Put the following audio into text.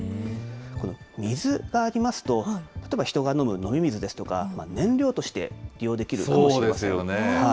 この水がありますと、例えば、人が飲む飲み水ですとか、燃料として利用できるかもしれません。